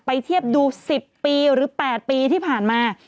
เทียบดู๑๐ปีหรือ๘ปีที่ผ่านมา